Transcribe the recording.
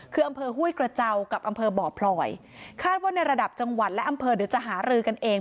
คืออำเภอห้วยกระเจ้ากับอำเภอบ่อพลอยคาดว่าในระดับจังหวัดและอำเภอเดี๋ยวจะหารือกันเอง